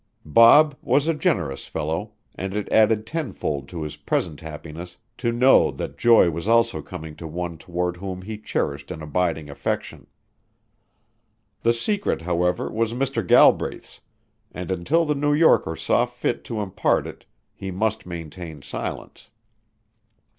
Bob was a generous fellow and it added tenfold to his present happiness to know that joy was also coming to one toward whom he cherished an abiding affection. The secret, however, was Mr. Galbraith's, and until the New Yorker saw fit to impart it he must maintain silence.